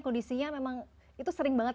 kondisinya memang itu sering banget